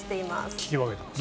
聞き分けてます。